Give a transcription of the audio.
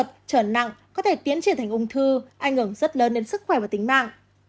trở nặng có thể tiến triển thành ung thư ảnh hưởng rất lớn đến sức khỏe và tính mạng